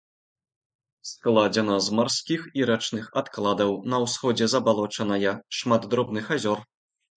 Складзена з марскіх і рачных адкладаў, на ўсходзе забалочаная, шмат дробных азёр.